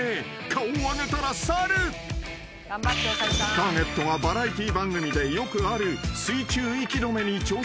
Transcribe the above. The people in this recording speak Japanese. ［ターゲットがバラエティー番組でよくある水中息止めに挑戦］